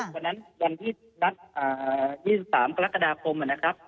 วันนั้นวันที่นัด๒๓กรกฎาคมนะครับ